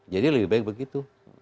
jadi lebih baik begitu